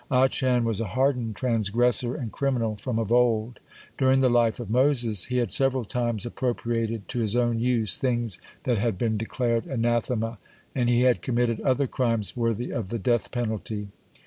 Achan was a hardened transgressor and criminal from of old. During the life of Moses he had several times appropriated to his own use things that had been declared anathema, (24) and he had committed other crimes worthy of the death penalty.